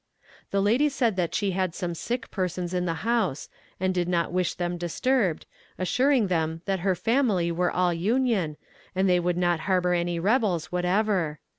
The lady said that she had some sick persons in the house, and did not wish them disturbed, assuring them that her family were all Union, and they would not harbor any rebels whatever.